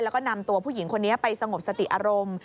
แล้วก็นำตัวผู้หญิงคนนี้ไปสงบสติอารมณ์